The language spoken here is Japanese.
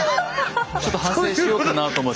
ちょっと反省しようかなと思って。